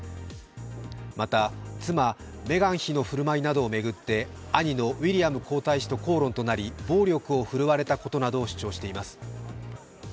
また、妻・メガン妃の振る舞いなどを巡って兄のウィリアム皇太子と口論となり暴力を振るわれたことなどを主張しています。